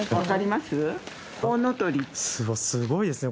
すごいですね。